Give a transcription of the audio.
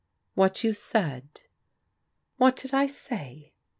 What you said.' What did I say?